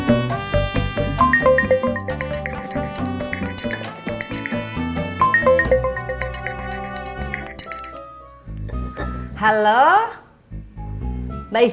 kenapain tak lu hari ini